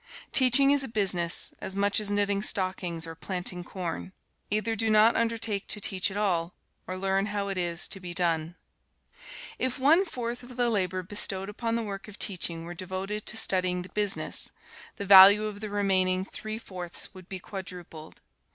Teaching is a business, as much as knitting stockings, or planting corn. Either do not undertake to teach at all, or learn how it is to be done. If one fourth of the labor bestowed upon the work of teaching were devoted to studying the business, the value of the remaining three fourths would be quadrupled.